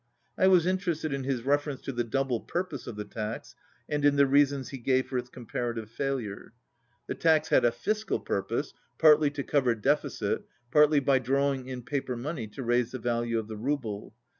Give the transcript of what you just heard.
I was interested in his ref erence to the double purpose of the tax and in the reasons he gave for its comparative failure. The 114 tax had a fiscal purpose, partly to cover deficit, partly by drawing in paper money to raise the value of the rouble.